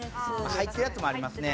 入ってるやつもありますね。